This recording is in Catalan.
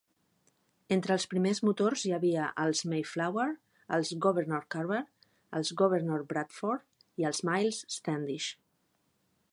Entre els primers motors hi havia els "Mayflower", els "Governor Carver", els "Governor Bradford" i els "Miles Standish".